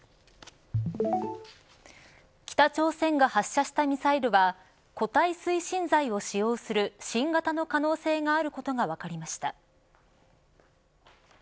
北朝鮮が発射したミサイルは固体推進剤を使用する新型の可能性があることが分かりました。